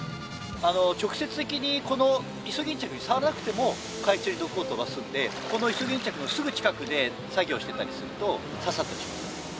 直接的にこのイソギンチャクに触らなくても海中に毒を飛ばすのでこのイソギンチャクのすぐ近くで作業をしてたりすると刺さってしまう。